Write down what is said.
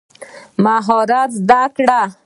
مهارت زده کړئ